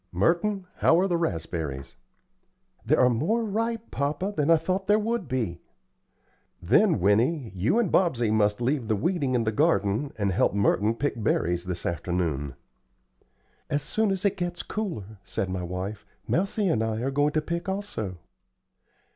Merton, how are the raspberries?" "There are more ripe, papa, than I thought there would be." "Then, Winnie, you and Bobsey must leave the weeding in the garden and help Merton pick berries this afternoon." "As soon as it gets cooler," said my wife, "Mousie and I are going to pick, also."